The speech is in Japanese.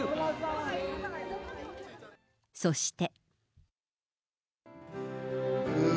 そして。